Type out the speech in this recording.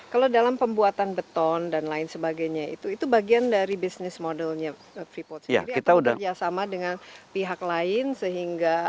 kalau dalam pembuatan beton dan lain sebagainya itu itu bagian dari bisnis modelnya freeport sendiri atau bekerjasama dengan pihak lain sehingga